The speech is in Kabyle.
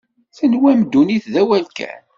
Tenwam ddunit d awal kan.